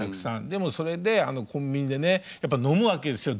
でもそれであのコンビニでねやっぱ飲むわけですよ